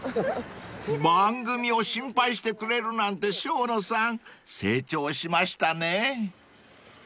［番組を心配してくれるなんて生野さん成長しましたね］